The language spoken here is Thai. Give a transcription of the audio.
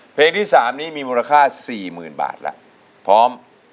เพลงที่๓นี้มีมูลค่า๔๐๐๐บาทแล้วพร้อม